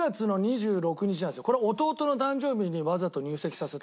これ弟の誕生日にわざと入籍させたわけ。